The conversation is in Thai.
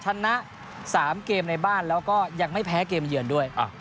ชนะ๓เกมในบ้านแล้วก็ยังไม่แพ้เกมเยือนด้วย